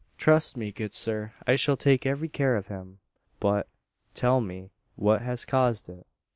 "Trust me, good sir, I shall take every care of him. But tell me what has caused it?